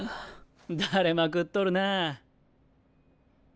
だれまくっとるなぁ。